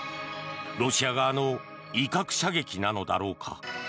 ロシア側の威嚇射撃なのだろうか。